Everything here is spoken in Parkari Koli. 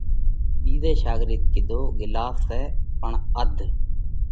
ٻِيزئہ شاڳرڌ ڪِيڌو: ڳِلاس سئہ پڻ اڌ۔